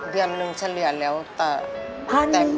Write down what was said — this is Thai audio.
เดือนหนึ่งเฉลี่ยแล้วแต่